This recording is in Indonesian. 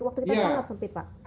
waktu kita sangat sempit pak